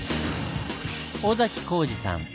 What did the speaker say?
尾崎光二さん。